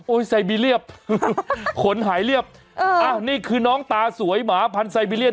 ไซบีเรียบขนหายเรียบนี่คือน้องตาสวยหมาพันธัยบีเรียน